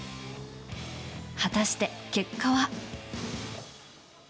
果たして、結果は。